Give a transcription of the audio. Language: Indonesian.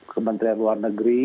kementerian luar negeri